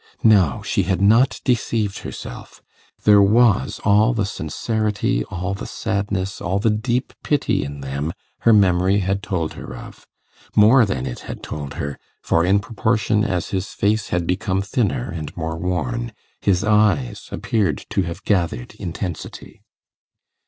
No! she had not deceived herself: there was all the sincerity, all the sadness, all the deep pity in them her memory had told her of; more than it had told her, for in proportion as his face had become thinner and more worn, his eyes appeared to have gathered intensity.